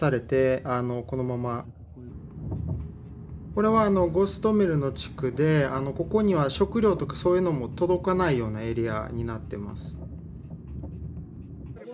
これはあのゴストメルの地区でここには食料とかそういうのも届かないようなエリアになってます。